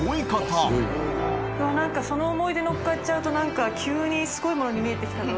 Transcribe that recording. わぁなんかその思い出乗っかっちゃうと覆鵑泙すごいものに見えてきたぞ。